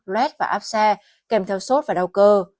luet và áp xe kèm theo sốt và đau cơ